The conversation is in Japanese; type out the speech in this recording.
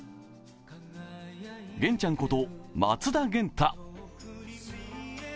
元ちゃんこと松田元太。